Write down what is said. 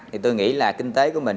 thì tôi nghĩ là kinh tế của mình